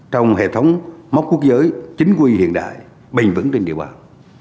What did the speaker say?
trong hệ thống mốc quốc giới chính quy hiện đại bình vững trên địa bàn